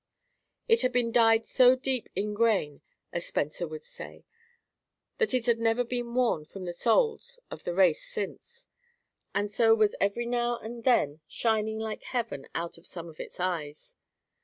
It had been dyed so deep INGRAYNE, as Spenser would say, that it had never been worn from the souls of the race since, and so was every now and then shining like heaven out at some of its eyes.